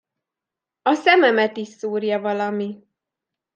A szememet is szúrja valami.